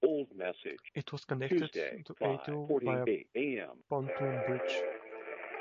It was connected to Atil by a pontoon bridge.